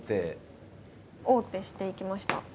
王手していきました。